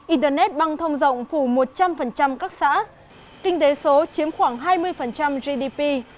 internet băng thông rộng phủ một trăm linh các xã kinh tế số chiếm khoảng hai mươi gdp